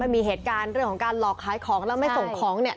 มีเหตุการณ์เรื่องของการหลอกขายของแล้วไม่ส่งของเนี่ย